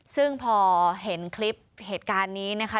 ซึ่งพอเห็นคลิปเหตุการณ์นี้นะคะ